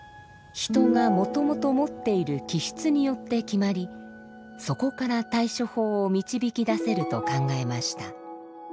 人がもともと持っている気質によって決まりそこから対処法を導き出せると考えました。